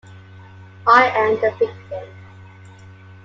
I am the victim!